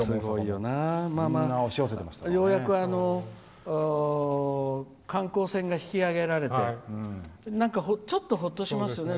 ようやく観光船が引き揚げられてなんかちょっとほっとしましたね。